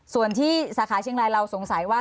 ส่วนที่สาขาเชียงรายเราสงสัยว่า